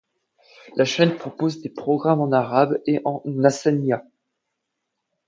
La chaîne propose des programmes en arabe et en hassaniyya.